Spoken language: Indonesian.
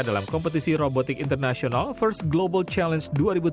dalam kompetisi robotik international first global challenge dua ribu tujuh belas